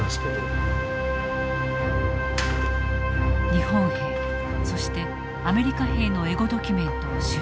日本兵そしてアメリカ兵のエゴドキュメントを収集。